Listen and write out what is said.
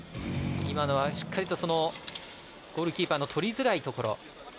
今のはしっかりとゴールキーパーのとりづらいところ。